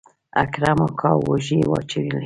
اکرم اکا اوږې واچولې.